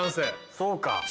そうか。